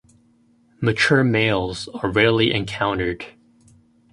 Mature males are rarely encountered.